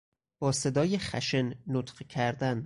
با صدای خشن نطق کردن